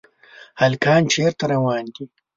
هلکان چېرته روان دي ؟